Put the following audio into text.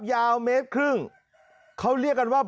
ยาวเมตรครึ่งเขาเรียกกันว่า